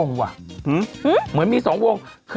แฟนไหนอะ